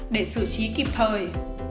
để xử trí kịp thời